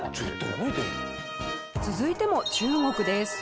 続いても中国です。